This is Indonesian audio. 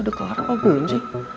udah kelar apa belum sih